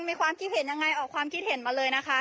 มีความคิดเห็นยังไงออกความคิดเห็นมาเลยนะคะ